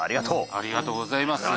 ありがとうございます。